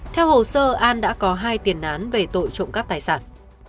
theo hồ sơ an đã có hai tiền án về tội trộm cắp tài sản